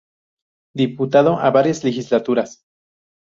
Diputado a varias legislaturas.